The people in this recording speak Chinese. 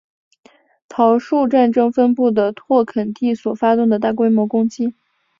桃树战争分布的拓垦地所发动的大规模攻击。